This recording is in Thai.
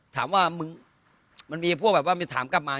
ถามว่ามึงมันมีพวกแบบว่ามีถามกลับมา